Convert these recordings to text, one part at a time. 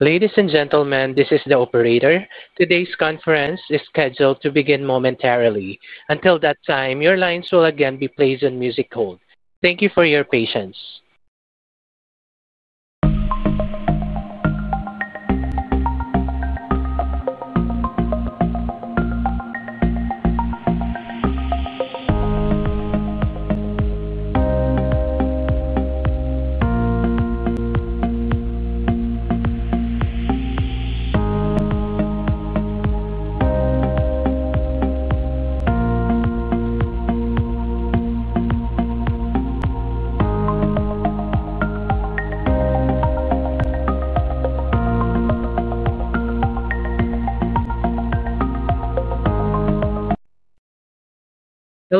Ladies and gentlemen, this is the operator. Today's conference is scheduled to begin momentarily. Until that time, your lines will again be placed on music hold. Thank you for your patience.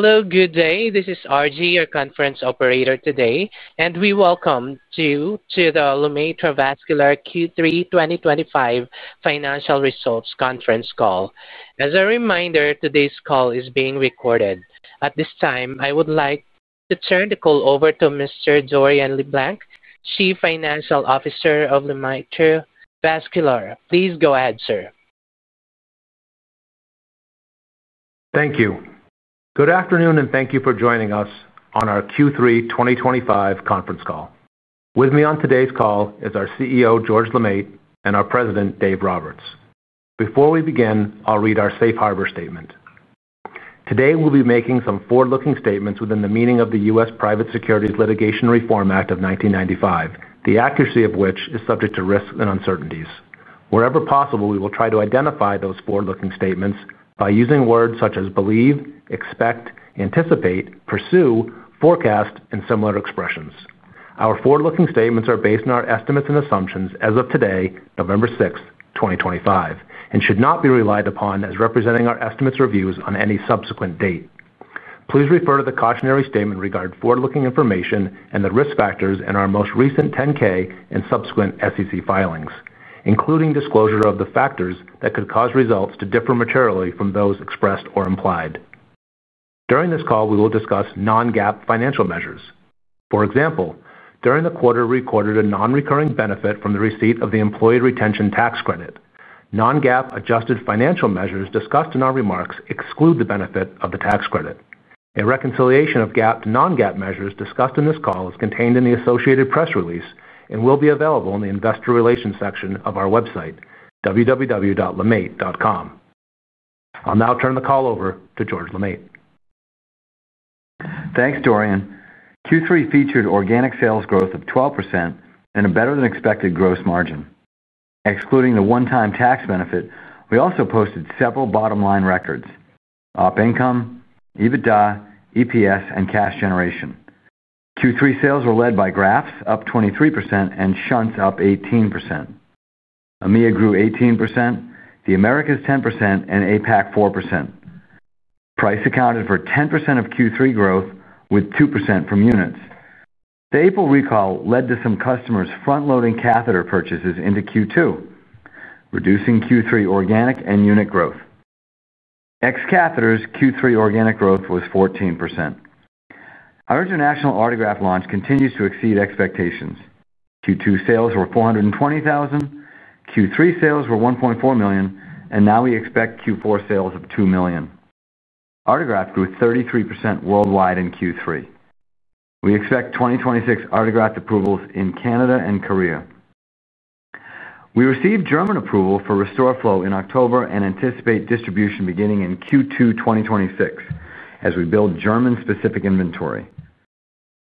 Hello, good day. This is RJ, your conference operator today, and we welcome you to the LeMaitre Vascular Q3 2025 financial results conference call. As a reminder, today's call is being recorded. At this time, I would like to turn the call over to Mr. Dorian LeBlanc, Chief Financial Officer of LeMaitre Vascular. Please go ahead, sir. Thank you. Good afternoon, and thank you for joining us on our Q3 2025 conference call. With me on today's call is our CEO, George LeMaitre, and our President, Dave Roberts. Before we begin, I'll read our Safe Harbor Statement. Today, we'll be making some forward-looking statements within the meaning of the U.S. Private Securities Litigation Reform Act of 1995, the accuracy of which is subject to risks and uncertainties. Wherever possible, we will try to identify those forward-looking statements by using words such as believe, expect, anticipate, pursue, forecast, and similar expressions. Our forward-looking statements are based on our estimates and assumptions as of today, November 6th, 2025, and should not be relied upon as representing our estimates or views on any subsequent date. Please refer to the cautionary statement regarding forward-looking information and the risk factors in our most recent 10-K and subsequent SEC filings, including disclosure of the factors that could cause results to differ materially from those expressed or implied. During this call, we will discuss non-GAAP financial measures. For example, during the quarter we recorded a non-recurring benefit from the receipt of the employee retention tax credit. Non-GAAP adjusted financial measures discussed in our remarks exclude the benefit of the tax credit. A reconciliation of GAAP to non-GAAP measures discussed in this call is contained in the associated press release and will be available in the investor relations section of our website, www.lemait.com. I'll now turn the call over to George LeMaitre. Thanks, Dorian. Q3 featured organic sales growth of 12% and a better-than-expected gross margin. Excluding the one-time tax benefit, we also posted several bottom-line records, operating income, EBITDA, EPS, and cash generation. Q3 sales were led by grafts, up 23%, and shunts up 18%. AMEA grew 18%, the Americas 10%, and APAC 4%. Price accounted for 10% of Q3 growth, with 2% from units. The April recall led to some customers front-loading catheter purchases into Q2, reducing Q3 organic and unit growth. Ex-catheters, Q3 organic growth was 14%. Our international Autograft launch continues to exceed expectations. Q2 sales were $420,000. Q3 sales were $1.4 million, and now we expect Q4 sales of $2 million. Autograft grew 33% worldwide in Q3. We expect 2026 Autograft approvals in Canada and Korea. We received German approval for RestorFlow in October and anticipate distribution beginning in Q2 2026 as we build German-specific inventory.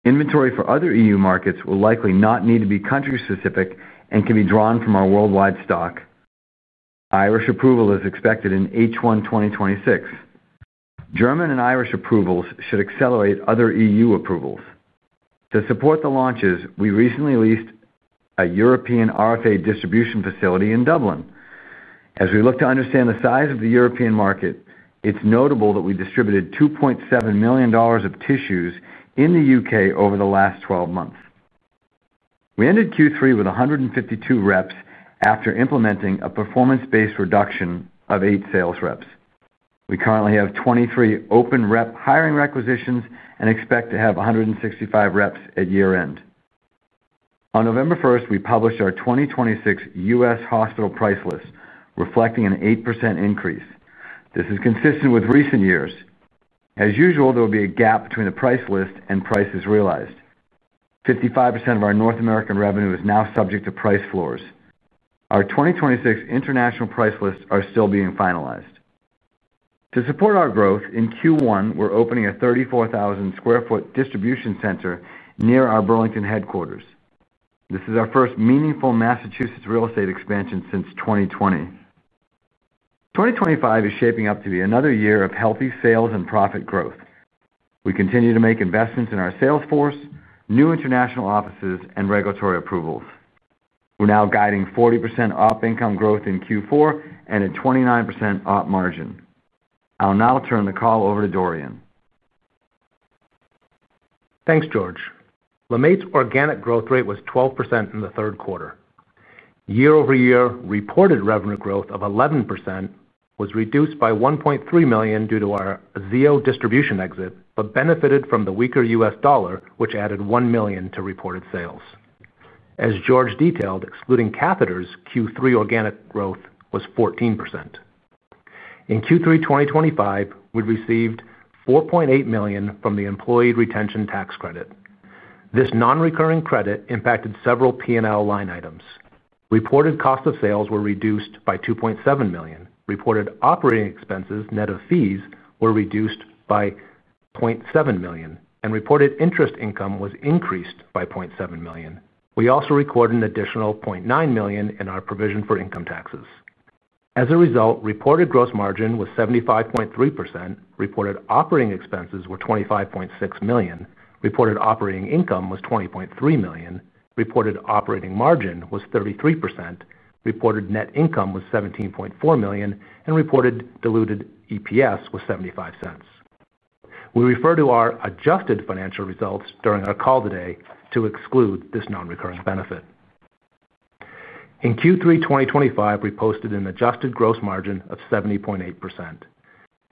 Inventory for other EU markets will likely not need to be country-specific and can be drawn from our worldwide stock. Irish approval is expected in H1 2026. German and Irish approvals should accelerate other EU approvals. To support the launches, we recently leased a European RFA distribution facility in Dublin. As we look to understand the size of the European market, it's notable that we distributed $2.7 million of tissues in the U.K. over the last 12 months. We ended Q3 with 152 reps after implementing a performance-based reduction of eight sales reps. We currently have 23 open rep hiring requisitions and expect to have 165 reps at year-end. On November 1st, we published our 2026 U.S. hospital price list, reflecting an 8% increase. This is consistent with recent years. As usual, there will be a gap between the price list and prices realized. 55% of our North American revenue is now subject to price floors. Our 2026 international price lists are still being finalized. To support our growth, in Q1, we're opening a 34,000 sq ft distribution center near our Burlington headquarters. This is our first meaningful Massachusetts real estate expansion since 2020. 2025 is shaping up to be another year of healthy sales and profit growth. We continue to make investments in our sales force, new international offices, and regulatory approvals. We're now guiding 40% op income growth in Q4 and a 29% op margin. I'll now turn the call over to Dorian. Thanks, George. LeMaitre's organic growth rate was 12% in the third quarter. Year-over-year reported revenue growth of 11% was reduced by $1.3 million due to our CO distribution exit but benefited from the weaker U.S. dollar, which added $1 million to reported sales. As George detailed, excluding catheters, Q3 organic growth was 14%. In Q3 2025, we received $4.8 million from the employee retention tax credit. This non-recurring credit impacted several P&L line items. Reported cost of sales were reduced by $2.7 million. Reported operating expenses, net of fees, were reduced by $0.7 million, and reported interest income was increased by $0.7 million. We also recorded an additional $0.9 million in our provision for income taxes. As a result, reported gross margin was 75.3%. Reported operating expenses were $25.6 million. Reported operating income was $20.3 million. Reported operating margin was 33%. Reported net income was $17.4 million, and reported diluted EPS was $0.75. We refer to our adjusted financial results during our call today to exclude this non-recurring benefit. In Q3 2025, we posted an adjusted gross margin of 70.8%.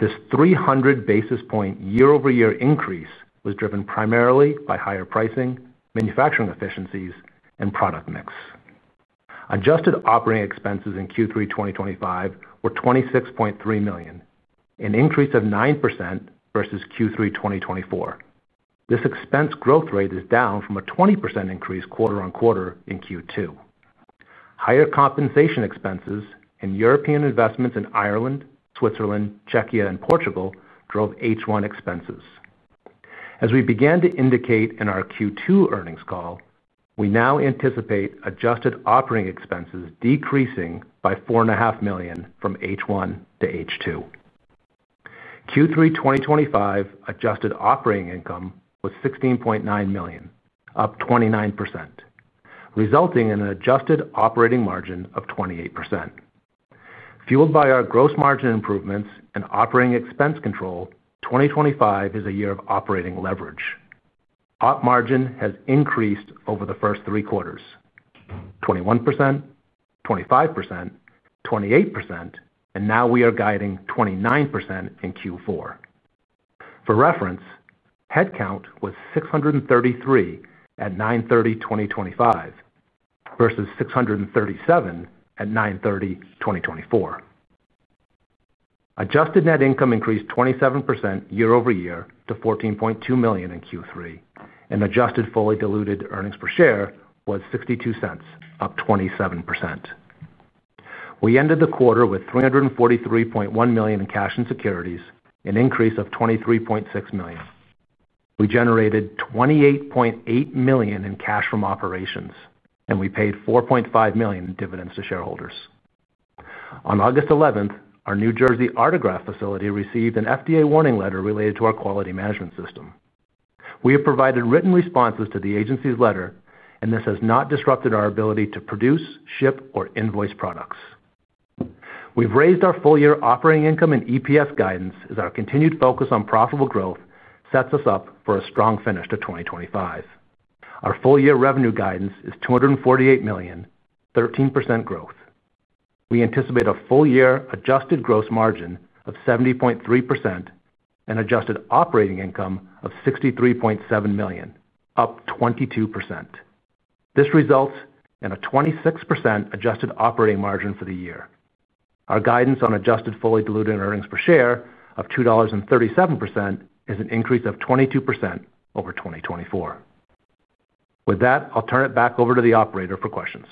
This 300 basis point year-over-year increase was driven primarily by higher pricing, manufacturing efficiencies, and product mix. Adjusted operating expenses in Q3 2025 were $26.3 million, an increase of 9% versus Q3 2024. This expense growth rate is down from a 20% increase quarter-on-quarter in Q2. Higher compensation expenses and European investments in Ireland, Switzerland, Czechia, and Portugal drove H1 expenses. As we began to indicate in our Q2 earnings call, we now anticipate adjusted operating expenses decreasing by $4.5 million from H1-H2. Q3 2025 adjusted operating income was $16.9 million, up 29%, resulting in an adjusted operating margin of 28%. Fueled by our gross margin improvements and operating expense control, 2025 is a year of operating leverage. Op margin has increased over the first three quarters, 21%, 25%, 28%, and now we are guiding 29% in Q4. For reference, headcount was 633 at 09/30/2025 versus 637 at 09/30/2024. Adjusted net income increased 27% year-over-year to $14.2 million in Q3, and adjusted fully diluted earnings per share was $0.62, up 27%. We ended the quarter with $343.1 million in cash and securities, an increase of $23.6 million. We generated $28.8 million in cash from operations, and we paid $4.5 million in dividends to shareholders. On August 11th, our New Jersey Autograft facility received an FDA warning letter related to our quality management system. We have provided written responses to the agency's letter, and this has not disrupted our ability to produce, ship, or invoice products. We've raised our full-year operating income and EPS guidance as our continued focus on profitable growth sets us up for a strong finish to 2025. Our full-year revenue guidance is $248 million, 13% growth. We anticipate a full-year adjusted gross margin of 70.3% and adjusted operating income of $63.7 million, up 22%. This results in a 26% adjusted operating margin for the year. Our guidance on adjusted fully diluted earnings per share of $2.37 is an increase of 22% over 2024. With that, I'll turn it back over to the operator for questions.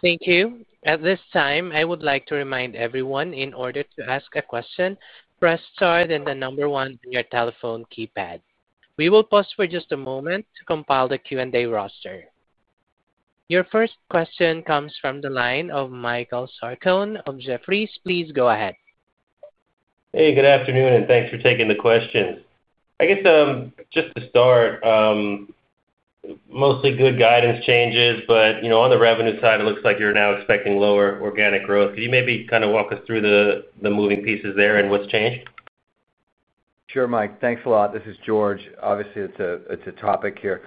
Thank you. At this time, I would like to remind everyone in order to ask a question, press star then the number one on your telephone keypad. We will pause for just a moment to compile the Q&A roster. Your first question comes from the line of Michael Sarkon of Jefferies. Please go ahead. Hey, good afternoon, and thanks for taking the question. I guess, just to start. Mostly good guidance changes, but on the revenue side, it looks like you're now expecting lower organic growth. Could you maybe kind of walk us through the moving pieces there and what's changed? Sure, Mike. Thanks a lot. This is George. Obviously, it's a topic here.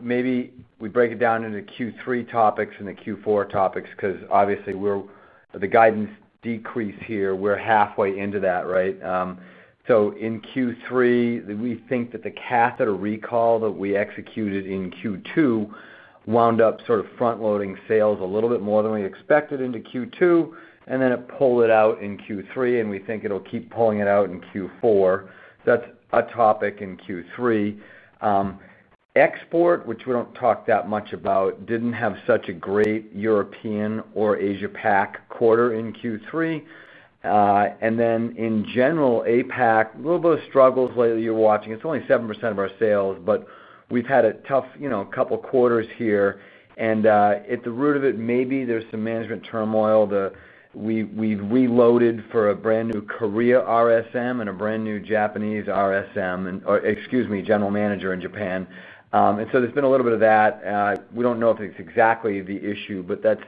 Maybe we break it down into Q3 topics and the Q4 topics because obviously the guidance decreased here. We're halfway into that, right? In Q3, we think that the catheter recall that we executed in Q2 wound up sort of front-loading sales a little bit more than we expected into Q2, and then it pulled it out in Q3, and we think it'll keep pulling it out in Q4. That's a topic in Q3. Export, which we don't talk that much about, didn't have such a great European or APAC quarter in Q3. In general, APAC, a little bit of struggles lately you're watching. It's only 7% of our sales, but we've had a tough couple of quarters here. At the root of it, maybe there's some management turmoil. We've reloaded for a brand new Korea RSM and a brand new Japanese RSM, or excuse me, general manager in Japan. There's been a little bit of that. We don't know if it's exactly the issue, but that's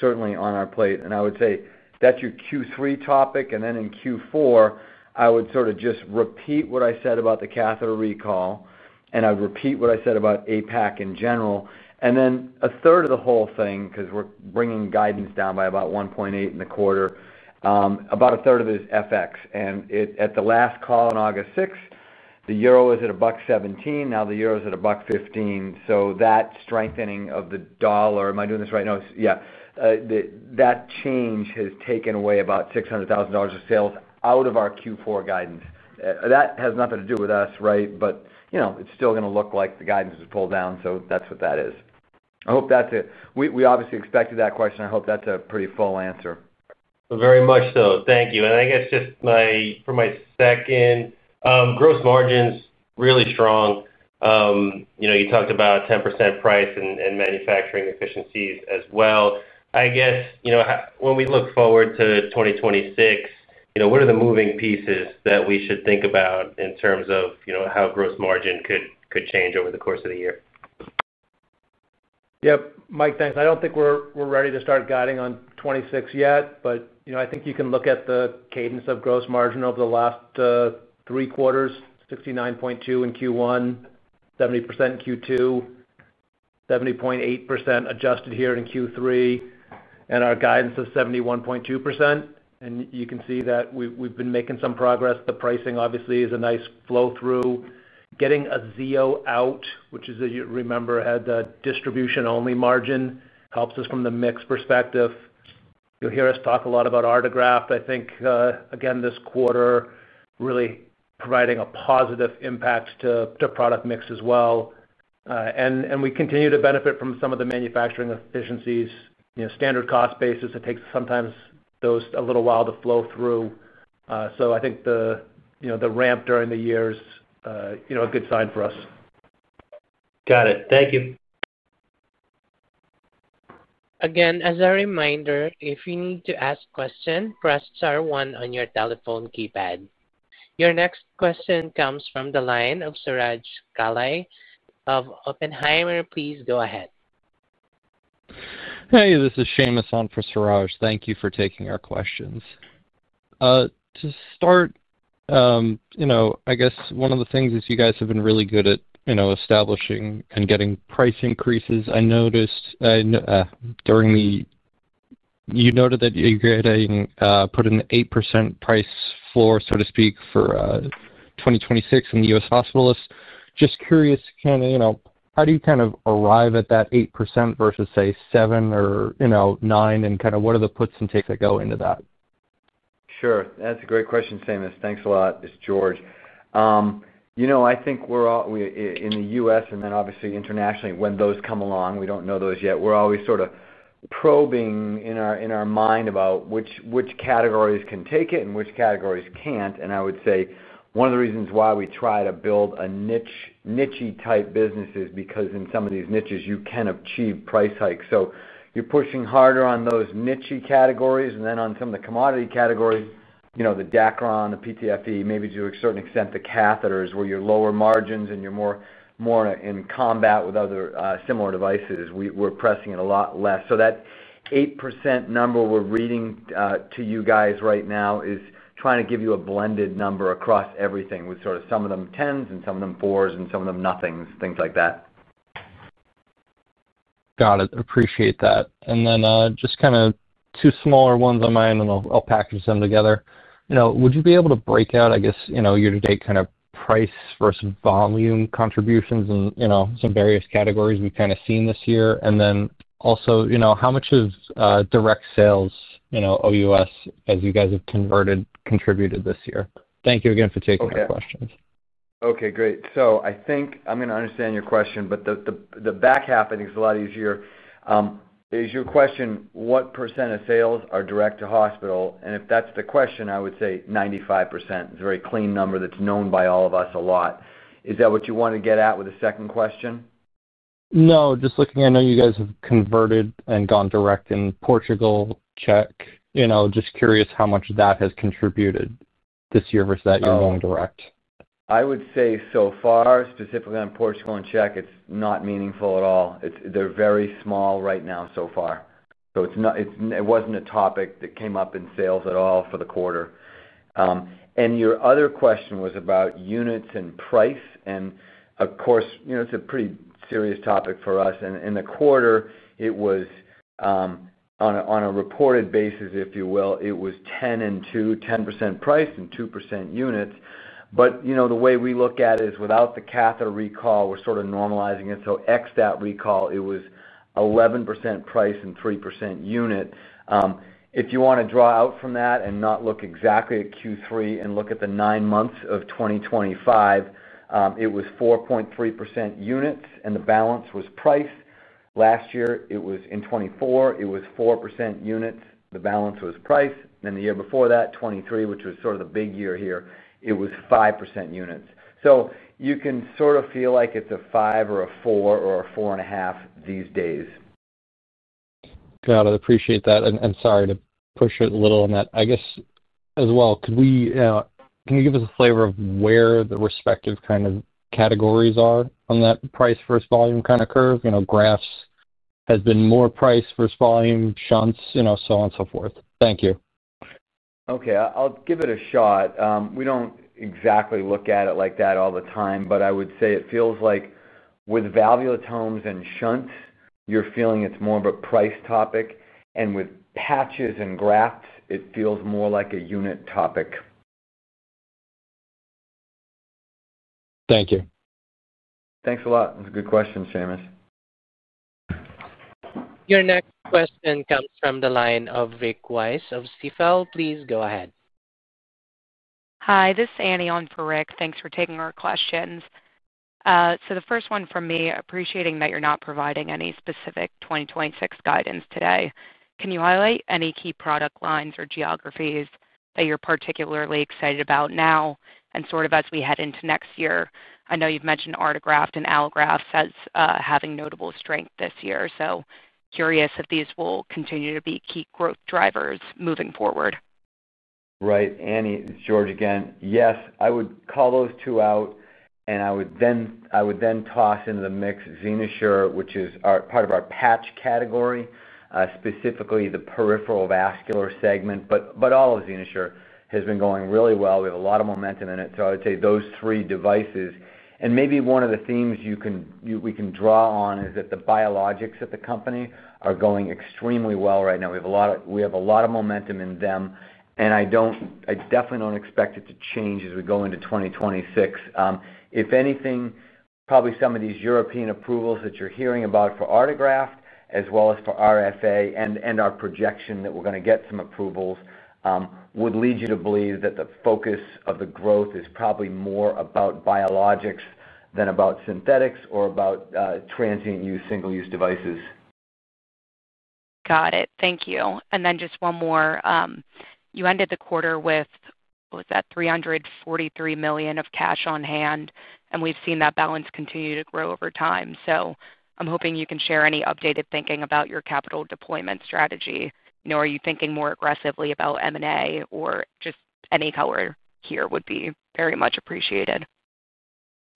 certainly on our plate. I would say that's your Q3 topic. In Q4, I would sort of just repeat what I said about the catheter recall, and I'd repeat what I said about APAC in general. A third of the whole thing, because we're bringing guidance down by about $1.8 million in the quarter, about a third of it is FX. At the last call on August 6, the Euro was at $1.17. Now the Euro is at $1.15. That strengthening of the dollar, am I doing this right? No, yeah. That change has taken away about $600,000 of sales out of our Q4 guidance. That has nothing to do with us, right? It is still going to look like the guidance was pulled down, so that is what that is. I hope that is it. We obviously expected that question. I hope that is a pretty full answer. Very much so. Thank you. I guess just for my second. Gross margins really strong. You talked about 10% price and manufacturing efficiencies as well. I guess when we look forward to 2026, what are the moving pieces that we should think about in terms of how gross margin could change over the course of the year? Yep. Mike, thanks. I don't think we're ready to start guiding on 2026 yet, but I think you can look at the cadence of gross margin over the last three quarters, 69.2% in Q1, 70% in Q2, 70.8% adjusted here in Q3, and our guidance of 71.2%. You can see that we've been making some progress. The pricing, obviously, is a nice flow through. Getting CO out, which, as you remember, had the distribution-only margin, helps us from the mix perspective. You'll hear us talk a lot about Autograft, I think, again, this quarter, really providing a positive impact to product mix as well. We continue to benefit from some of the manufacturing efficiencies. Standard cost basis, it takes sometimes a little while to flow through. I think the ramp during the year is a good sign for us. Got it. Thank you. Again, as a reminder, if you need to ask a question, press star one on your telephone keypad. Your next question comes from the line of Suraj Kalia of Oppenheimer. Please go ahead. Hey, this is Seamus on for Suraj. Thank you for taking our questions. To start, I guess one of the things is you guys have been really good at establishing and getting price increases. I noticed you noted that you put an 8% price floor, so to speak, for 2026 in the U.S. hospital list. Just curious, how do you kind of arrive at that 8% versus, say, 7% or 9%, and kind of what are the puts and takes that go into that? Sure. That's a great question, Seamus. Thanks a lot, George. I think in the U.S. and obviously internationally, when those come along, we don't know those yet. We're always sort of probing in our mind about which categories can take it and which categories can't. I would say one of the reasons why we try to build a niche-type business is because in some of these niches, you can achieve price hikes. You're pushing harder on those niche categories. In some of the commodity categories, the Dacron, the PTFE, maybe to a certain extent the catheters, where you're lower margins and you're more in combat with other similar devices, we're pressing it a lot less. That 8% number we are reading to you guys right now is trying to give you a blended number across everything, with sort of some of them 10s and some of them 4s and some of them nothings, things like that. Got it. Appreciate that. Just kind of two smaller ones on mine, and I'll package them together. Would you be able to break out, I guess, your kind of price versus volume contributions in some various categories we've kind of seen this year? Also, how much has direct sales OUS, as you guys have contributed this year? Thank you again for taking our questions. Okay. Great. I think I'm going to understand your question, but the back half, I think, is a lot easier. Is your question, what % of sales are direct to hospital? If that's the question, I would say 95% is a very clean number that's known by all of us a lot. Is that what you wanted to get at with the second question? No, just looking at, I know you guys have converted and gone direct in Portugal, Czechia. Just curious how much that has contributed this year versus that you're going direct. I would say so far, specifically on Portugal and Czechia, it's not meaningful at all. They're very small right now so far. It wasn't a topic that came up in sales at all for the quarter. Your other question was about units and price. Of course, it's a pretty serious topic for us. In the quarter, it was. On a reported basis, if you will, it was 10 and 2, 10% price and 2% units. The way we look at it is without the catheter recall, we're sort of normalizing it. So XDAT recall, it was 11% price and 3% unit. If you want to draw out from that and not look exactly at Q3 and look at the nine months of 2025, it was 4.3% units, and the balance was price. Last year, in 2024, it was 4% units, the balance was price. The year before that, 2023, which was sort of the big year here, it was 5% units. You can sort of feel like it is a 5 or a 4 or a 4.5 these days. Got it. Appreciate that. Sorry to push it a little on that. I guess, as well, can you give us a flavor of where the respective kind of categories are on that price versus volume kind of curve? Grafts has been more price versus volume, shunts, so on and so forth. Thank you. Okay. I'll give it a shot. We don't exactly look at it like that all the time, but I would say it feels like with valvulotomes and shunts, you're feeling it's more of a price topic. And with patches and grafts, it feels more like a unit topic. Thank you. Thanks a lot. That's a good question, Seamus. Your next question comes from the line of Rick Wise of Wells Fargo. Please go ahead. Hi, this is Annie on for Rick. Thanks for taking our questions. The first one from me, appreciating that you're not providing any specific 2026 guidance today. Can you highlight any key product lines or geographies that you're particularly excited about now and sort of as we head into next year? I know you've mentioned Autograft and Allografts as having notable strength this year. Curious if these will continue to be key growth drivers moving forward. Right. Annie, George, again, yes, I would call those two out. I would then toss into the mix XenoSure, which is part of our patch category, specifically the peripheral vascular segment. All of XenoSure has been going really well. We have a lot of momentum in it. I would say those three devices. Maybe one of the themes we can draw on is that the biologics at the company are going extremely well right now. We have a lot of momentum in them. I definitely do not expect it to change as we go into 2026. If anything, probably some of these European approvals that you are hearing about for Autograft, as well as for RFA, and our projection that we are going to get some approvals would lead you to believe that the focus of the growth is probably more about biologics than about synthetics or about. Transient use single-use devices. Got it. Thank you. And then just one more. You ended the quarter with, what was that, $343 million of cash on hand. And we've seen that balance continue to grow over time. So I'm hoping you can share any updated thinking about your capital deployment strategy. Are you thinking more aggressively about M&A or just any color here would be very much appreciated.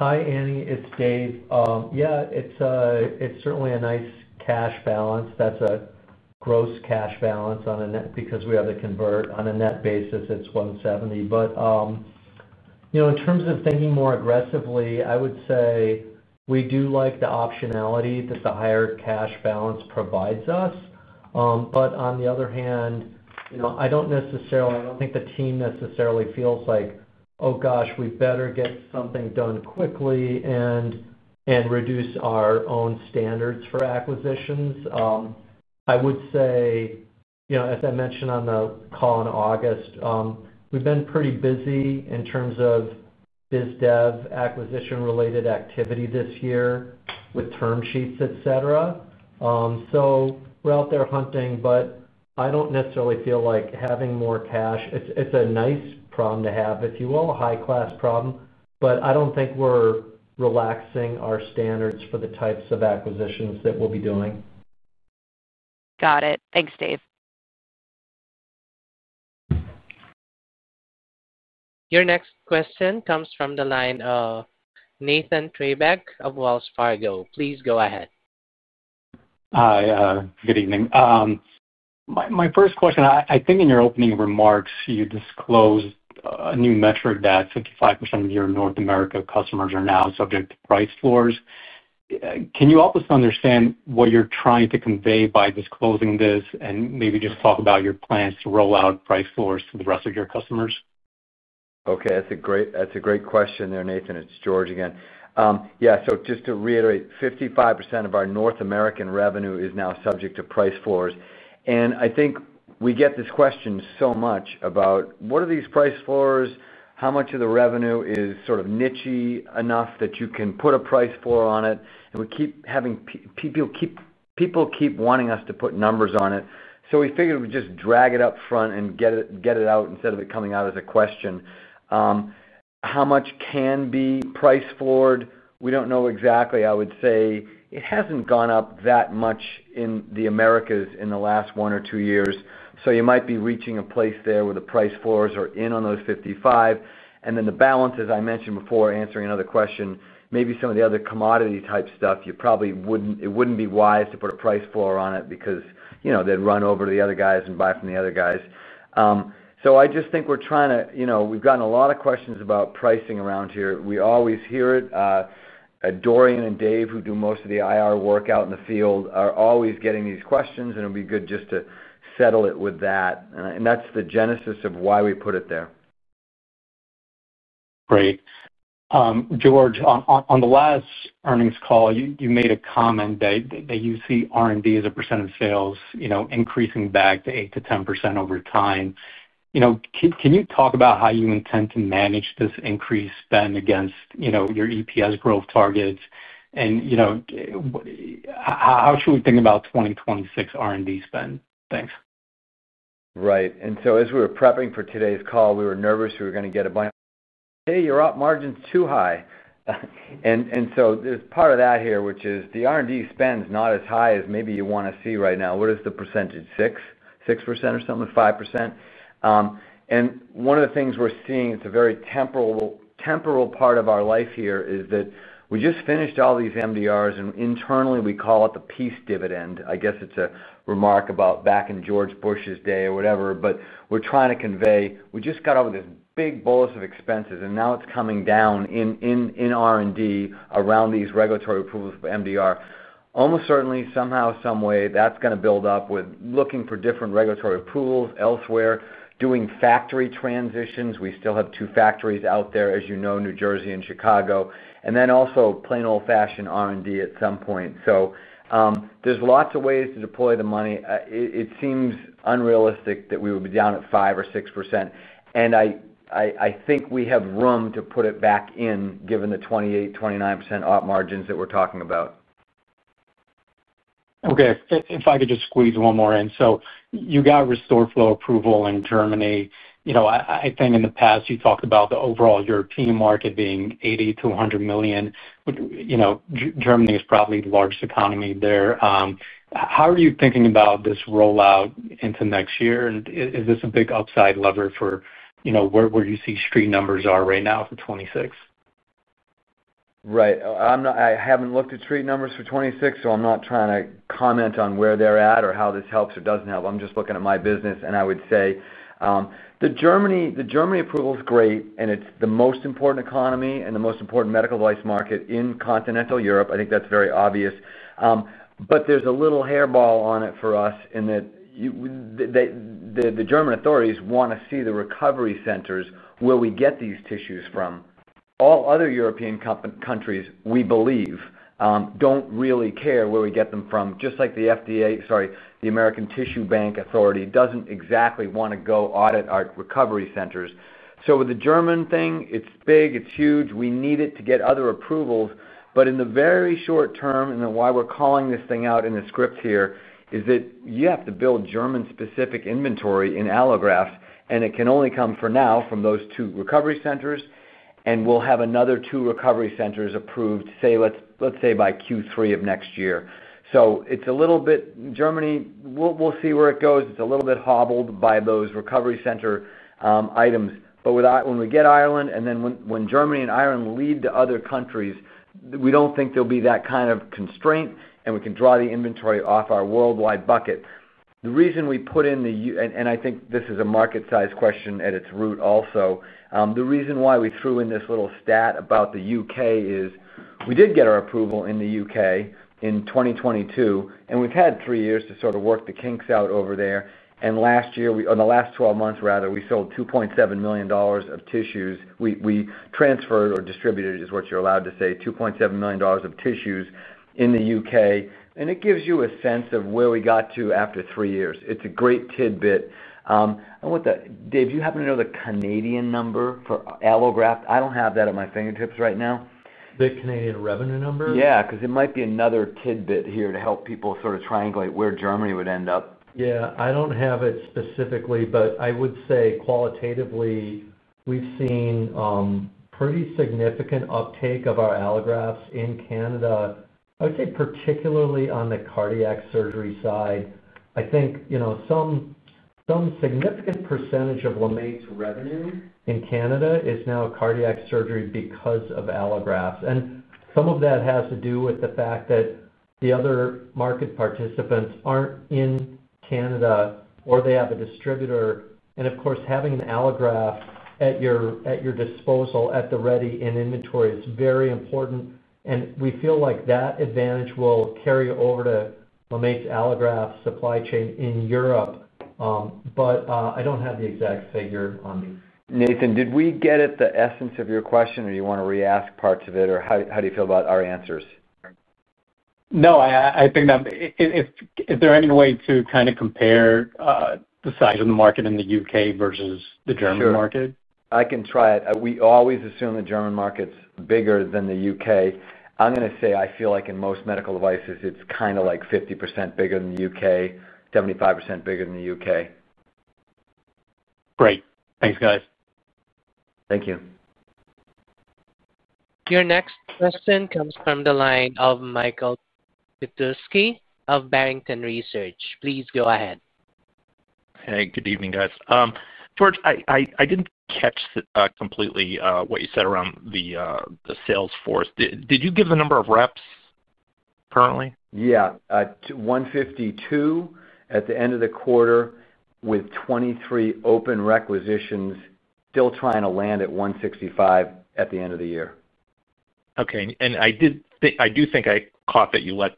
Hi, Annie. It's Dave. Yeah, it's certainly a nice cash balance. That's a gross cash balance on a net because we have to convert on a net basis. It's $170. In terms of thinking more aggressively, I would say we do like the optionality that the higher cash balance provides us. On the other hand, I don't necessarily, I don't think the team necessarily feels like, "Oh gosh, we better get something done quickly and reduce our own standards for acquisitions." I would say, as I mentioned on the call in August, we've been pretty busy in terms of BizDev acquisition-related activity this year with term sheets, etc. We're out there hunting, but I don't necessarily feel like having more cash, it's a nice problem to have, if you will, a high-class problem. I don't think we're relaxing our standards for the types of acquisitions that we'll be doing. Got it. Thanks, Dave. Your next question comes from the line of Nathan Treybeck of Wells Fargo. Please go ahead. Hi. Good evening. My first question, I think in your opening remarks, you disclosed a new metric that 55% of your North America customers are now subject to price floors. Can you help us understand what you're trying to convey by disclosing this and maybe just talk about your plans to roll out price floors to the rest of your customers? Okay. That's a great question there, Nathan. It's George again. Yeah. Just to reiterate, 55% of our North American revenue is now subject to price floors. I think we get this question so much about what are these price floors, how much of the revenue is sort of niche-y enough that you can put a price floor on it. We keep having people keep wanting us to put numbers on it. We figured we'd just drag it up front and get it out instead of it coming out as a question. How much can be price floored? We don't know exactly. I would say it hasn't gone up that much in the Americas in the last one or two years. You might be reaching a place there where the price floors are in on those 55. The balance, as I mentioned before, answering another question, maybe some of the other commodity-type stuff, it would not be wise to put a price floor on it because they would run over to the other guys and buy from the other guys. I just think we are trying to—we have gotten a lot of questions about pricing around here. We always hear it. Dorian and Dave, who do most of the IR work out in the field, are always getting these questions, and it will be good just to settle it with that. That is the genesis of why we put it there. Great. George, on the last earnings call, you made a comment that you see R&D as a percent of sales increasing back to 8%-10% over time. Can you talk about how you intend to manage this increased spend against your EPS growth targets? How should we think about 2026 R&D spend? Thanks. Right. As we were prepping for today's call, we were nervous we were going to get a buy-in. Hey, your op margin's too high. There is part of that here, which is the R&D spend's not as high as maybe you want to see right now. What is the percentage? 6% or something with 5%? One of the things we're seeing, it's very temporal. Part of our life here is that we just finished all these MDRs, and internally, we call it the peace dividend. I guess it's a remark about back in George Bush's day or whatever. We're trying to convey, we just got over this big bolus of expenses, and now it's coming down. In R&D around these regulatory approvals for MDR. Almost certainly, somehow, some way, that's going to build up with looking for different regulatory approvals elsewhere, doing factory transitions. We still have two factories out there, as you know, New Jersey and Chicago. And then also plain old-fashioned R&D at some point. There are lots of ways to deploy the money. It seems unrealistic that we would be down at 5% or 6%. I think we have room to put it back in, given the 28%-29% op margins that we're talking about. Okay. If I could just squeeze one more in. You got RestoreFlow approval in Germany. I think in the past, you talked about the overall European market being $80 million-$100 million. Germany is probably the largest economy there. How are you thinking about this rollout into next year? Is this a big upside lever for where you see street numbers are right now for 2026? Right. I have not looked at street numbers for 2026, so I am not trying to comment on where they are at or how this helps or does not help. I am just looking at my business, and I would say the Germany approval is great, and it is the most important economy and the most important medical device market in continental Europe. I think that is very obvious. There is a little hairball on it for us in that the German authorities want to see the recovery centers where we get these tissues from. All other European countries, we believe, do not really care where we get them from, just like the FDA, sorry, the American Tissue Bank Authority does not exactly want to go audit our recovery centers. With the German thing, it is big, it is huge. We need it to get other approvals. In the very short term, and why we're calling this thing out in the script here, is that you have to build German-specific inventory in allografts, and it can only come for now from those two recovery centers. We'll have another two recovery centers approved, let's say by Q3 of next year. It's a little bit Germany, we'll see where it goes. It's a little bit hobbled by those recovery center items. When we get Ireland, and then when Germany and Ireland lead to other countries, we don't think there'll be that kind of constraint, and we can draw the inventory off our worldwide bucket. The reason we put in the, and I think this is a market-sized question at its root also, the reason why we threw in this little stat about the U.K. is we did get our approval in the U.K. in 2022, and we've had three years to sort of work the kinks out over there. Last year, or the last 12 months, rather, we sold $2.7 million of tissues. We transferred or distributed, is what you're allowed to say, $2.7 million of tissues in the U.K. It gives you a sense of where we got to after three years. It's a great tidbit. With that, Dave, do you happen to know the Canadian number for allograft? I don't have that at my fingertips right now. The Canadian revenue number? Yeah, because it might be another tidbit here to help people sort of triangulate where Germany would end up. Yeah. I don't have it specifically, but I would say qualitatively, we've seen pretty significant uptake of our allografts in Canada. I would say particularly on the cardiac surgery side. I think some significant percentage of LeMaitre revenue in Canada is now cardiac surgery because of allografts. Some of that has to do with the fact that the other market participants aren't in Canada, or they have a distributor. Of course, having an allograft at your disposal at the ready in inventory is very important. We feel like that advantage will carry over to LeMaitre allograft supply chain in Europe. I don't have the exact figure on these. Nathan, did we get at the essence of your question, or do you want to re-ask parts of it, or how do you feel about our answers? No, I think. Is there any way to kind of compare the size of the market in the U.K. versus the German market? Sure. I can try it. We always assume the German market's bigger than the U.K. I'm going to say I feel like in most medical devices, it's kind of like 50% bigger than the U.K., 75% bigger than the U.K. Great. Thanks, guys. Thank you. Your next question comes from the line of Michael Petusky of Barrington Research. Please go ahead. Hey, good evening, guys. George, I didn't catch completely what you said around the Salesforce. Did you give the number of reps currently? Yeah. 152 at the end of the quarter with 23 open requisitions, still trying to land at 165 at the end of the year. Okay. I do think I caught that you let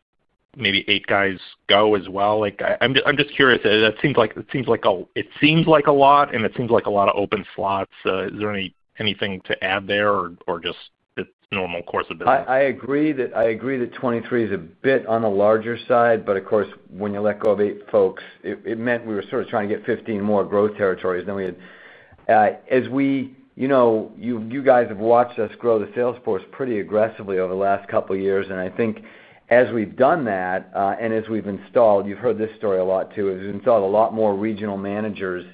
maybe eight guys go as well. I'm just curious. It seems like a lot, and it seems like a lot of open slots. Is there anything to add there or just the normal course of business? I agree that 23 is a bit on the larger side, but of course, when you let go of eight folks, it meant we were sort of trying to get 15 more growth territories than we had. As you guys have watched us grow the Salesforce pretty aggressively over the last couple of years, and I think as we've done that and as we've installed, you've heard this story a lot too, as we've installed a lot more regional managers,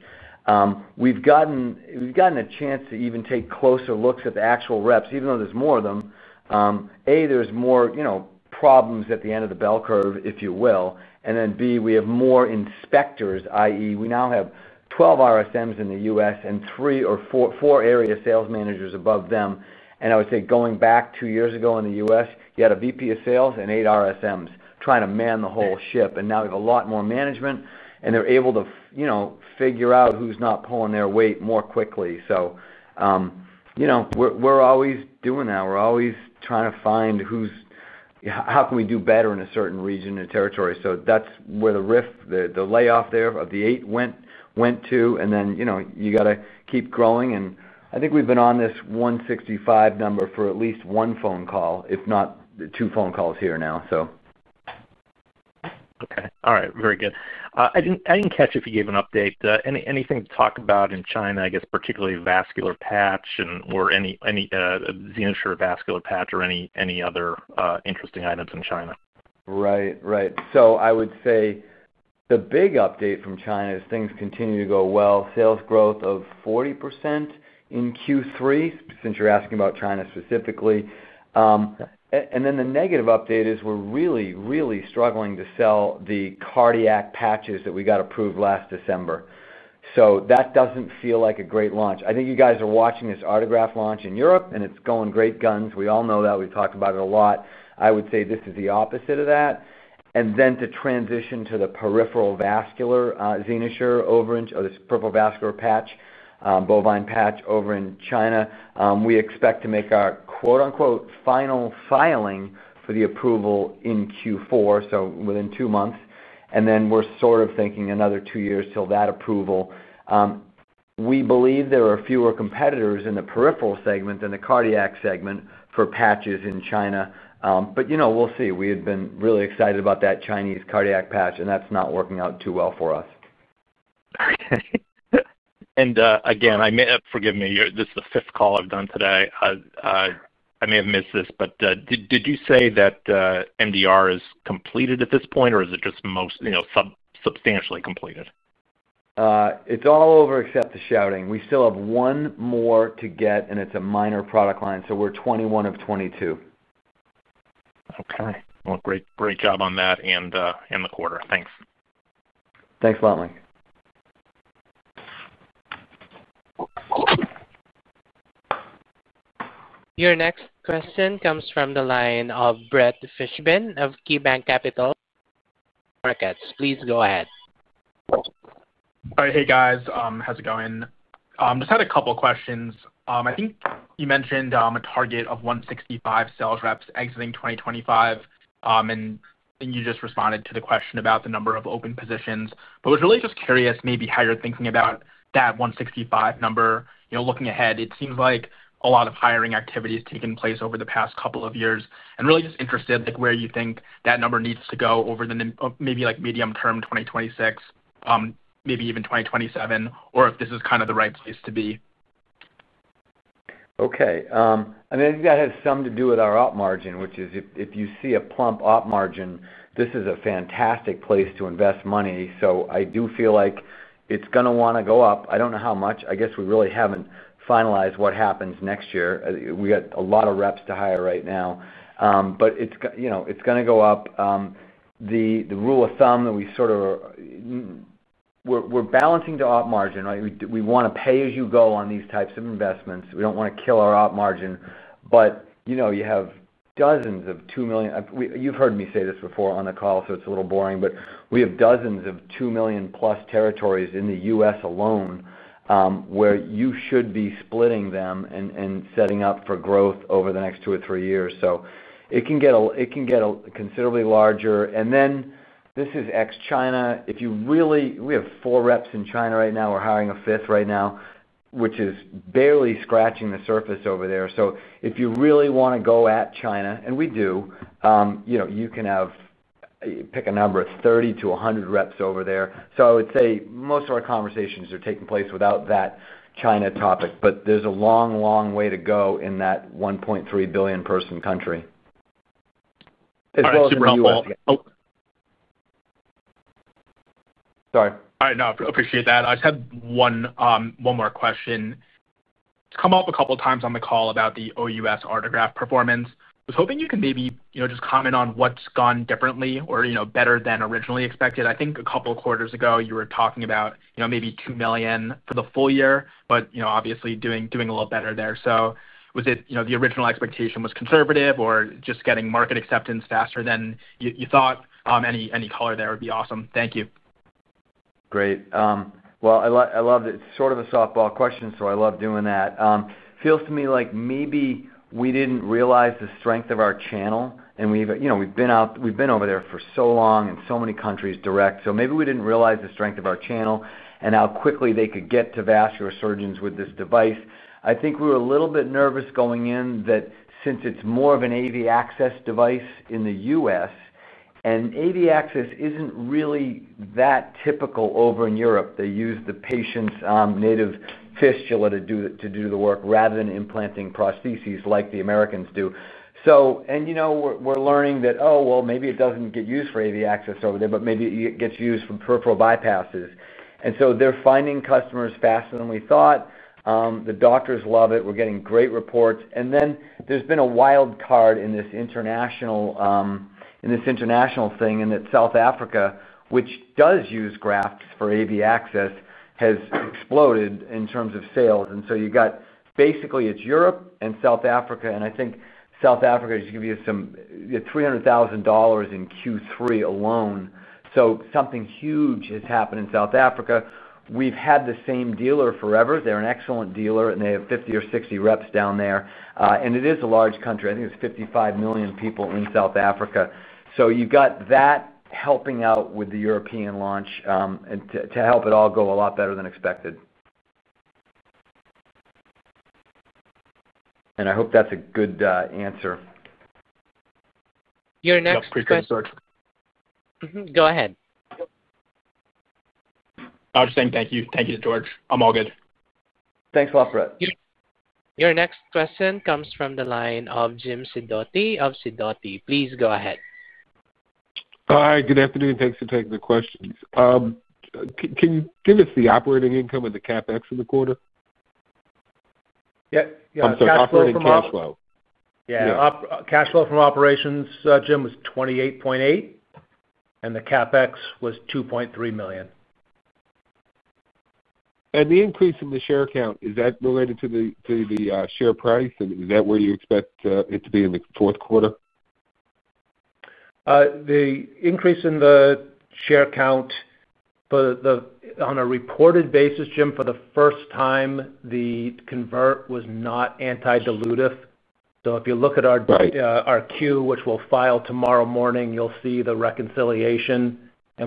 we've gotten a chance to even take closer looks at the actual reps, even though there's more of them. A, there's more problems at the end of the bell curve, if you will. And then B, we have more inspectors, i.e., we now have 12 RSMs in the US and four area sales managers above them. I would say going back two years ago in the U.S., you had a VP of Sales and eight RSMs trying to man the whole ship. Now we have a lot more management, and they're able to figure out who's not pulling their weight more quickly. We're always doing that. We're always trying to find how can we do better in a certain region and territory. That's where the layoff there of the eight went to. You got to keep growing. I think we've been on this 165 number for at least one phone call, if not two phone calls here now. Okay. All right. Very good. I didn't catch if you gave an update. Anything to talk about in China, I guess, particularly vascular patch or XenoSure vascular patch or any other interesting items in China? Right. Right. I would say the big update from China is things continue to go well. Sales growth of 40% in Q3, since you're asking about China specifically. The negative update is we're really, really struggling to sell the cardiac patches that we got approved last December. That does not feel like a great launch. I think you guys are watching this Autograft launch in Europe, and it's going great guns. We all know that. We've talked about it a lot. I would say this is the opposite of that. To transition to the peripheral vascular, XenoSure over in, or this peripheral vascular patch, bovine patch over in China, we expect to make our "final filing" for the approval in Q4, so within two months. We're sort of thinking another two years till that approval. We believe there are fewer competitors in the peripheral segment than the cardiac segment for patches in China. We will see. We had been really excited about that Chinese cardiac patch, and that is not working out too well for us. Again, forgive me, this is the fifth call I've done today. I may have missed this, but did you say that MDR is completed at this point, or is it just substantially completed? It's all over except the shouting. We still have one more to get, and it's a minor product line. So we're 21 of 22. Okay. Great job on that and the quarter. Thanks. Thanks a lot, Mike. Your next question comes from the line of Brett Fishbin of KeyBanc Capital Markets. Please go ahead. All right. Hey, guys. How's it going? Just had a couple of questions. I think you mentioned a target of 165 sales reps exiting 2025. You just responded to the question about the number of open positions. Was really just curious maybe how you're thinking about that 165 number. Looking ahead, it seems like a lot of hiring activity has taken place over the past couple of years. Really just interested where you think that number needs to go over the maybe medium-term 2026. Maybe even 2027, or if this is kind of the right place to be. Okay. I mean, I think that has some to do with our op margin, which is if you see a plump op margin, this is a fantastic place to invest money. So I do feel like it's going to want to go up. I don't know how much. I guess we really haven't finalized what happens next year. We got a lot of reps to hire right now. But it's going to go up. The rule of thumb that we sort of. We're balancing the op margin, right? We want to pay as you go on these types of investments. We don't want to kill our op margin. But you have dozens of $2 million—you've heard me say this before on the call, so it's a little boring—but we have dozens of $2 million-plus territories in the U.S. alone. Where you should be splitting them and setting up for growth over the next two or three years. It can get considerably larger. This is ex-China. If you really—we have four reps in China right now. We're hiring a fifth right now, which is barely scratching the surface over there. If you really want to go at China, and we do, you can have, pick a number of 30 reps-100 reps over there. I would say most of our conversations are taking place without that China topic, but there is a long, long way to go in that 1.3 billion-person country, as well as you want to. Sorry. All right. No, I appreciate that. I just had one more question. It's come up a couple of times on the call about the OUS Autograft performance. I was hoping you could maybe just comment on what's gone differently or better than originally expected. I think a couple of quarters ago, you were talking about maybe $2 million for the full year, but obviously doing a little better there. Was it the original expectation was conservative or just getting market acceptance faster than you thought? Any color there would be awesome. Thank you. Great. I love it. It's sort of a softball question, so I love doing that. Feels to me like maybe we didn't realize the strength of our channel. We've been over there for so long in so many countries direct. Maybe we didn't realize the strength of our channel and how quickly they could get to vascular surgeons with this device. I think we were a little bit nervous going in that since it's more of an AV access device in the U.S., and AV access isn't really that typical over in Europe. They use the patient's native fistula to do the work rather than implanting prostheses like the Americans do. We're learning that, oh, maybe it doesn't get used for AV access over there, but maybe it gets used for peripheral bypasses. They're finding customers faster than we thought. The doctors love it. We're getting great reports. There has been a wild card in this international thing in that South Africa, which does use grafts for AV access, has exploded in terms of sales. You have basically Europe and South Africa. I think South Africa is going to give you some $300,000 in Q3 alone. Something huge has happened in South Africa. We've had the same dealer forever. They're an excellent dealer, and they have 50 or 60 reps down there. It is a large country. I think it's 55 million people in South Africa. You have that helping out with the European launch to help it all go a lot better than expected. I hope that's a good answer. Your next question? Go ahead. I was just saying thank you. Thank you, George. I'm all good. Thanks a lot, Brett. Your next question comes from the line of Jim Sidoti of Sidoti. Please go ahead. Hi. Good afternoon. Thanks for taking the questions. Can you give us the operating income or the CapEx of the quarter? Yeah. Operating cash flow. Yeah. Cash flow from operations, Jim, was $28.8 million. The CapEx was $2.3 million. The increase in the share count, is that related to the share price? Is that where you expect it to be in the fourth quarter? The increase in the share count. On a reported basis, Jim, for the first time, the convert was not antedilutive. If you look at our Q, which we'll file tomorrow morning, you'll see the reconciliation.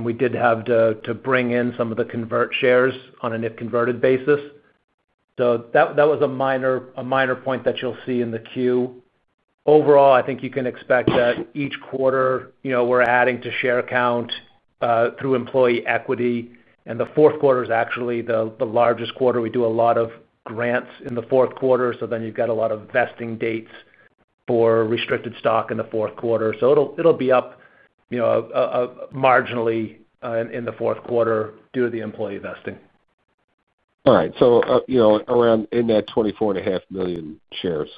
We did have to bring in some of the convert shares on a net converted basis. That was a minor point that you'll see in the Q. Overall, I think you can expect that each quarter, we're adding to share count through employee equity. The fourth quarter is actually the largest quarter. We do a lot of grants in the fourth quarter. You have a lot of vesting dates for restricted stock in the fourth quarter. It will be up marginally in the fourth quarter due to the employee vesting. All right. So around in that 24.5 million shares?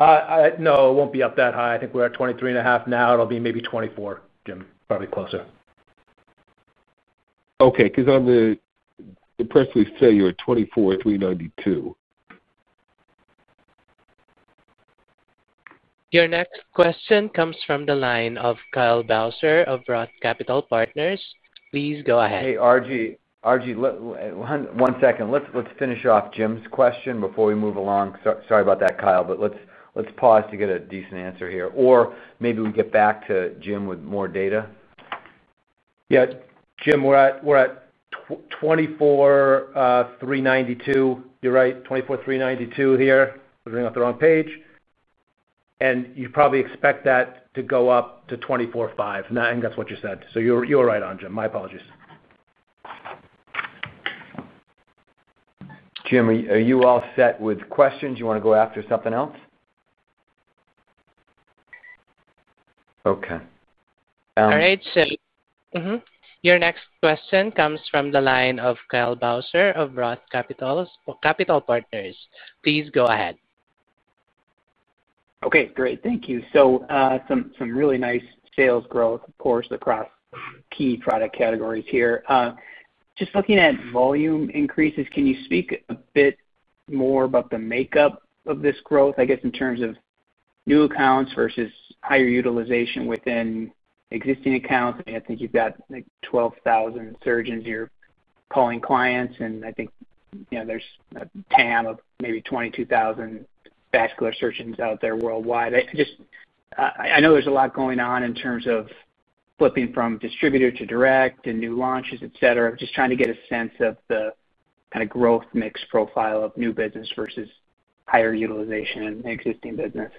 No, it won't be up that high. I think we're at 23.5 now. It'll be maybe 24, Jim, probably closer. Okay. Because on the press release say you're at 24,392. Your next question comes from the line of Kyle Bauser of Roth Capital Partners. Please go ahead. Hey, RG. One second. Let's finish off Jim's question before we move along. Sorry about that, Kyle, but let's pause to get a decent answer here. Or maybe we get back to Jim with more data. Yeah. Jim, we're at 24,392. You're right. 24,392 here. We're doing it off the wrong page. And you probably expect that to go up to 24,500. I think that's what you said. So you were right on, Jim. My apologies. Jim, are you all set with questions? You want to go after something else? Okay. All right. Your next question comes from the line of Kyle Bauser of Roth Capital Partners. Please go ahead. Okay. Great. Thank you. Some really nice sales growth, of course, across key product categories here. Just looking at volume increases, can you speak a bit more about the makeup of this growth, I guess, in terms of new accounts versus higher utilization within existing accounts? I mean, I think you've got 12,000 surgeons you're calling clients. I think there's a TAM of maybe 22,000 vascular surgeons out there worldwide. I know there's a lot going on in terms of flipping from distributor to direct and new launches, etc. I'm just trying to get a sense of the kind of growth mix profile of new business versus higher utilization in existing business.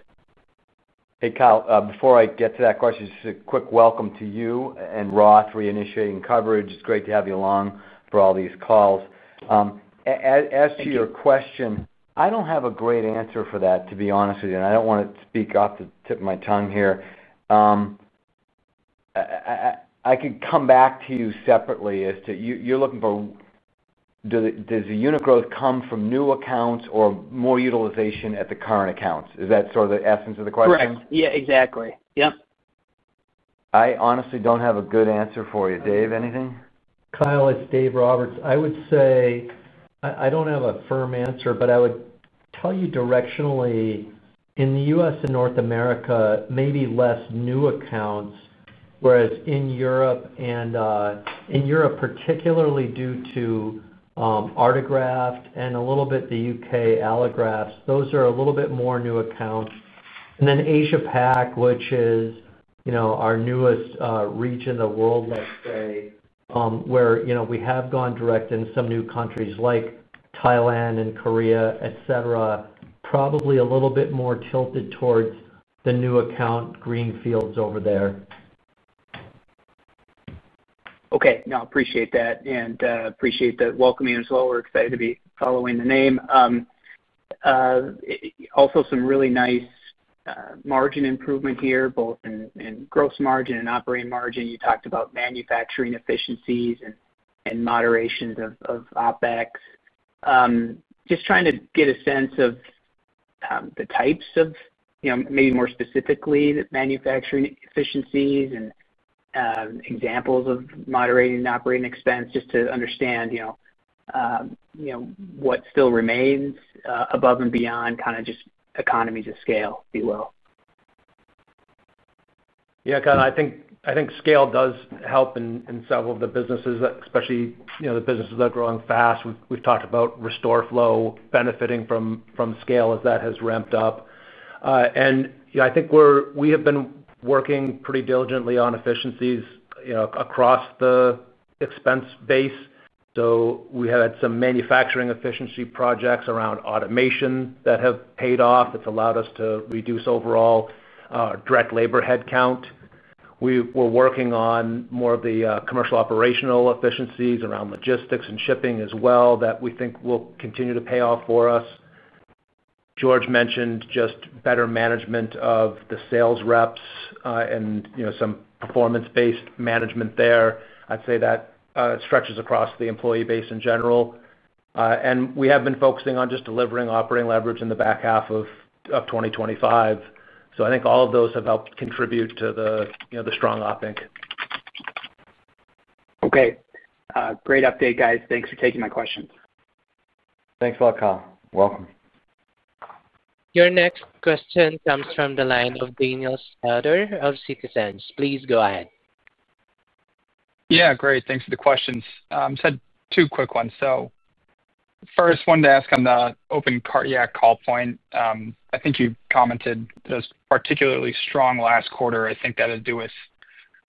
Hey, Kyle, before I get to that question, just a quick welcome to you and ROTH reinitiating coverage. It's great to have you along for all these calls. As to your question, I do not have a great answer for that, to be honest with you. I do not want to speak off the tip of my tongue here. I could come back to you separately as to what you are looking for. Does the unit growth come from new accounts or more utilization at the current accounts? Is that sort of the essence of the question? Right. Yeah, exactly. Yep. I honestly do not have a good answer for you. Dave, anything? Kyle, it's Dave Roberts. I would say I don't have a firm answer, but I would tell you directionally, in the U.S. and North America, maybe less new accounts, whereas in Europe, and in Europe, particularly due to Autograft and a little bit the U.K. allografts, those are a little bit more new accounts. Then Asia-Pac, which is our newest reach in the world, let's say, where we have gone direct in some new countries like Thailand and Korea, etc., probably a little bit more tilted towards the new account greenfields over there. Okay. No, I appreciate that. I appreciate the welcome as well. We're excited to be following the name. Also, some really nice margin improvement here, both in gross margin and operating margin. You talked about manufacturing efficiencies and moderations of OpEx. Just trying to get a sense of the types of, maybe more specifically, manufacturing efficiencies and examples of moderating operating expense just to understand what still remains above and beyond kind of just economies of scale, if you will. Yeah, Kyle, I think scale does help in several of the businesses, especially the businesses that are growing fast. We've talked about RestoreFlow benefiting from scale as that has ramped up. I think we have been working pretty diligently on efficiencies across the expense base. We had some manufacturing efficiency projects around automation that have paid off. It's allowed us to reduce overall direct labor headcount. We're working on more of the commercial operational efficiencies around logistics and shipping as well that we think will continue to pay off for us. George mentioned just better management of the sales reps and some performance-based management there. I'd say that stretches across the employee base in general. We have been focusing on just delivering operating leverage in the back half of 2025. I think all of those have helped contribute to the strong op ink. Okay. Great update, guys. Thanks for taking my questions. Thanks a lot, Kyle. Welcome. Your next question comes from the line of Daniel Snyder of Citizens. Please go ahead. Yeah. Great. Thanks for the questions. I said two quick ones. First, I wanted to ask on the open cardiac call point. I think you commented that it was particularly strong last quarter. I think that had to do with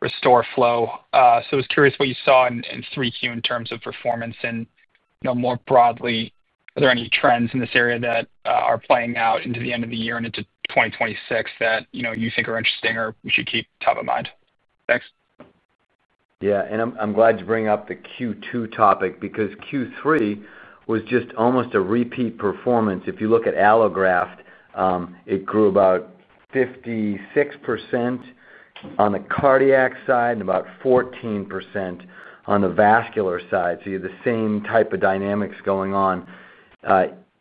RestoreFlow. I was curious what you saw in 3Q in terms of performance. More broadly, are there any trends in this area that are playing out into the end of the year and into 2026 that you think are interesting or we should keep top of mind? Thanks. Yeah. I'm glad you bring up the Q2 topic because Q3 was just almost a repeat performance. If you look at allograft, it grew about 56% on the cardiac side and about 14% on the vascular side. You have the same type of dynamics going on.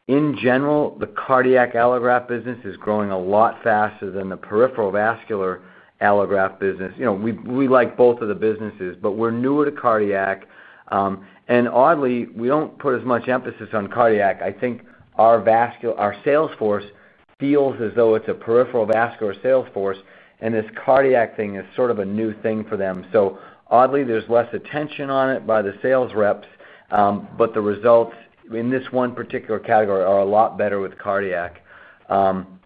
In general, the cardiac allograft business is growing a lot faster than the peripheral vascular allograft business. We like both of the businesses, but we're newer to cardiac. Oddly, we don't put as much emphasis on cardiac. I think our sales force feels as though it's a peripheral vascular sales force, and this cardiac thing is sort of a new thing for them. Oddly, there's less attention on it by the sales reps, but the results in this one particular category are a lot better with cardiac.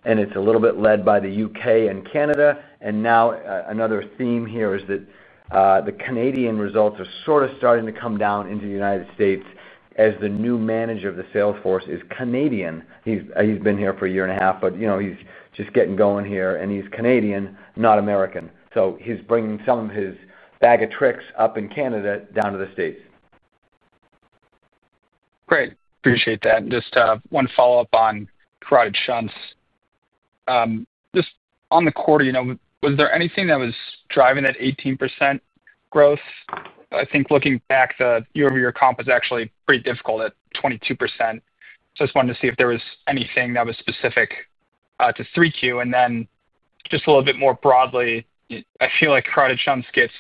It's a little bit led by the U.K. and Canada. Another theme here is that the Canadian results are sort of starting to come down into the United States as the new manager of the sales force is Canadian. He's been here for a year and a half, but he's just getting going here, and he's Canadian, not American. He's bringing some of his bag of tricks up in Canada down to the States. Great. Appreciate that. Just one follow-up on carotid shunts. Just on the quarter, was there anything that was driving that 18% growth? I think looking back, the year-over-year comp is actually pretty difficult at 22%. I just wanted to see if there was anything that was specific to 3Q. Just a little bit more broadly, I feel like carotid shunts gets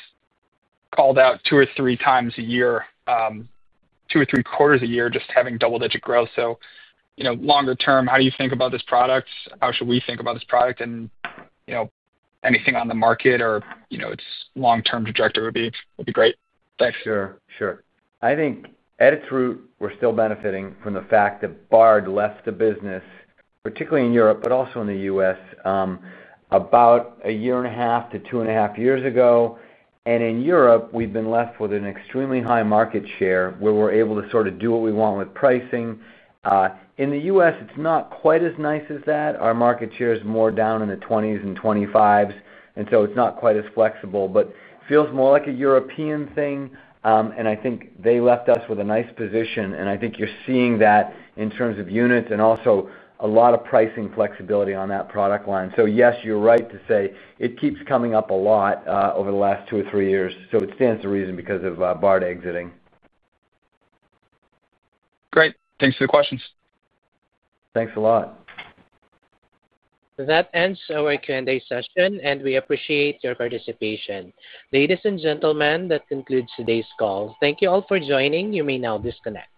called out two or three times a year, two or three quarters a year, just having double-digit growth. Longer term, how do you think about this product? How should we think about this product? Anything on the market or its long-term trajectory would be great. Thanks. Sure. Sure. I think Edith, we're still benefiting from the fact that Bard left the business, particularly in Europe, but also in the U.S., about a year and a half to two and a half years ago. In Europe, we've been left with an extremely high market share where we're able to sort of do what we want with pricing. In the U.S., it's not quite as nice as that. Our market share is more down in the 20s and 25s, and so it's not quite as flexible, but it feels more like a European thing. I think they left us with a nice position. I think you're seeing that in terms of units and also a lot of pricing flexibility on that product line. Yes, you're right to say it keeps coming up a lot over the last two or three years. It stands to reason because of Bard exiting. Great. Thanks for the questions. Thanks a lot. That ends our Q&A session, and we appreciate your participation. Ladies and gentlemen, that concludes today's call. Thank you all for joining. You may now disconnect.